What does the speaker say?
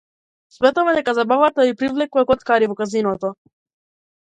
Сметаме дека забавата би привлекла коцкари во казиното.